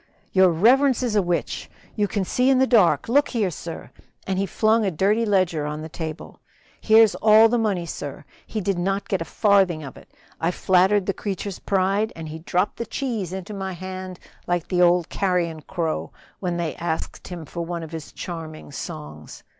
"Your reverence is a witch you can see in the dark look here, sir!" and he flung a dirty ledger on the table. "Here's all the money, sir. He did not get a farthing of it. I flattered the creature's pride, and he dropped the cheese into my hand like the old carrion crow when they asked him for one of his charming songs.